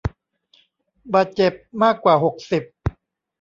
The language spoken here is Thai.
บาดเจ็บมากกว่าหกสิบ